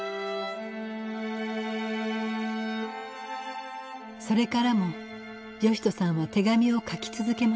それからも義人さんは手紙を書き続けました。